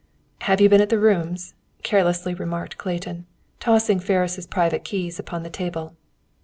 "Have you been at the rooms?" carelessly remarked Clayton, tossing Ferris' private keys upon the table.